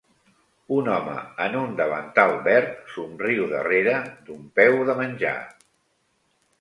Un home en un davantal verd somriu darrere d'un peu de menjar.